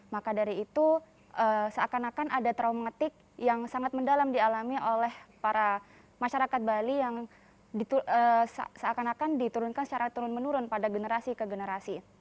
maka dari itu seakan akan ada traumatik yang sangat mendalam dialami oleh para masyarakat bali yang seakan akan diturunkan secara turun menurun pada generasi ke generasi